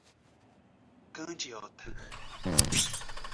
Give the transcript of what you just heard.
Candiota